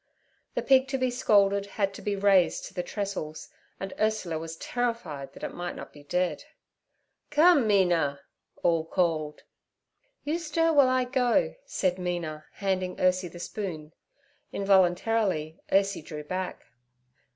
The pig to be scalded had to be raised to the trestles, and Ursula was terrified that it might not be dead. 'Come, Mina!' all called. 'You stir while I go' said Mina, handing Ursie the spoon. Involuntarily Ursie drew back.